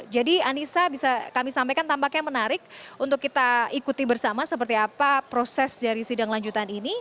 jadi anissa bisa kami sampaikan tampaknya menarik untuk kita ikuti bersama seperti apa proses dari sidang lanjutan ini